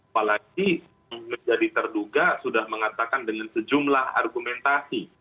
apalagi yang menjadi terduga sudah mengatakan dengan sejumlah argumentasi